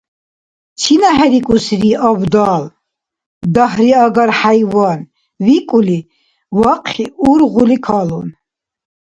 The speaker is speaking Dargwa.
«Чина хӀерикӀусири абдал, дагьриагар хӀяйван», — викӀули, вахъхӀи ургъули калун.